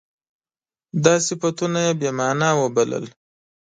دا صفتونه یې بې معنا وبلل.